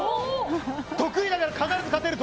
得意だから必ず勝てると。